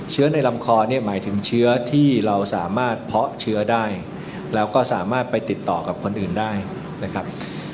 ในลำคอเนี่ยหมายถึงเชื้อที่เราสามารถเพาะเชื้อได้แล้วก็สามารถไปติดต่อกับคนอื่นได้นะครับ